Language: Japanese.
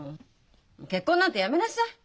結婚なんてやめなさい。